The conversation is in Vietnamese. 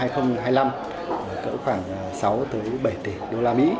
có khoảng sáu bảy tỷ usd